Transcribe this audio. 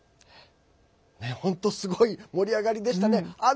本当すごい盛り上がりでしたね。